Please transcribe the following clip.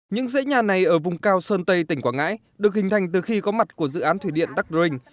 những dãy nhà này ở vùng cao sơn tây tỉnh quảng ngãi được hình thành từ khi có mặt của dự án thủy điện đắc rinh